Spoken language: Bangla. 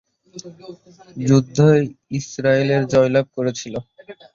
যুদ্ধে ইসরায়েল জয়লাভ করেছিলো।